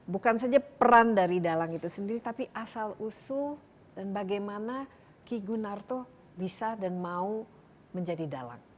bukan saja peran dari dalang itu sendiri tapi asal usul dan bagaimana ki gunarto bisa dan mau menjadi dalang